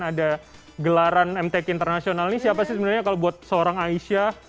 ada gelaran mtk internasional ini siapa sih sebenarnya kalau buat seorang aisyah